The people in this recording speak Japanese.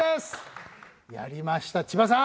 やりました千葉さん。